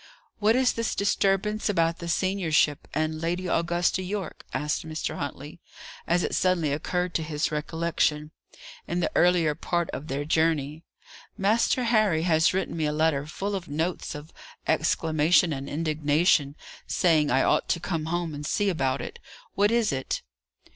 "What is this disturbance about the seniorship, and Lady Augusta Yorke?" asked Mr. Huntley, as it suddenly occurred to his recollection, in the earlier part of their journey. "Master Harry has written me a letter full of notes of exclamation and indignation, saying I 'ought to come home and see about it.' What is it?"